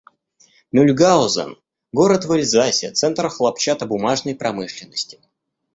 Мюльгаузен — город в Эльзасе, центр хлопчатобумажной промышленности.